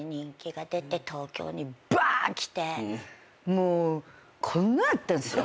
もうこんなだったんすよ。